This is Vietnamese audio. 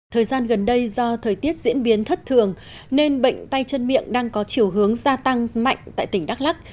thời gian gần đây do thời tiết diễn biến thất thường nên bệnh tay chân miệng đang có chiều hướng gia tăng mạnh tại tỉnh đắk lắc